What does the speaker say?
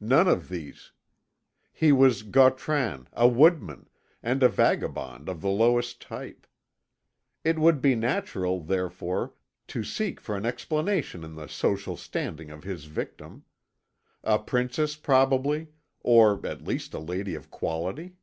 None of these; he was Gautran, a woodman, and a vagabond of the lowest type. It would be natural, therefore, to seek for an explanation in the social standing of his victim. A princess, probably, or at least a lady of quality?